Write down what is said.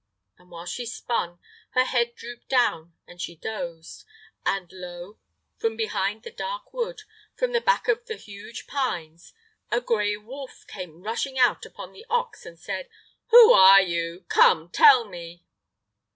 And while she spun, her head drooped down, and she dozed. And, lo! from behind the dark wood, from the back of the huge pines, a gray wolf came rushing out upon the ox and said: "Who are you? Come, tell me!"